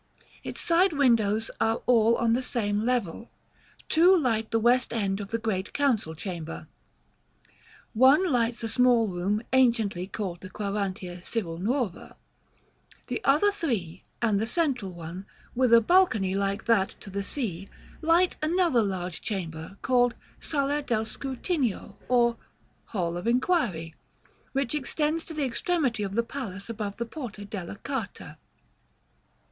Its side windows are all on the same level. Two light the west end of the Great Council Chamber, one lights a small room anciently called the Quarantia Civil Nuova; the other three, and the central one, with a balcony like that to the Sea, light another large chamber, called Sala del Scrutinio, or "Hall of Enquiry," which extends to the extremity of the palace above the Porta della Carta.